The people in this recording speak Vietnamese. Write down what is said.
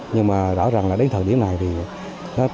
nhưng mà rõ ràng là đến thời điểm này thì